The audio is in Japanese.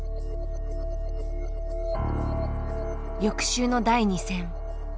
翌週の第２戦。